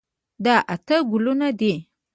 دا اته ګلونه دي.